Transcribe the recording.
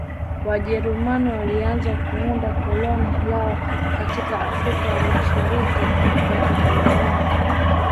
Wajerumani walianza kuunda koloni lao katika Afrika ya Mashariki ya Kijerumani